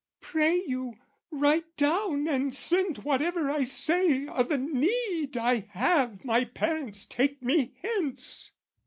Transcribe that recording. "Pray you, write down and send whatever I say "O' the need I have my parents take me hence!"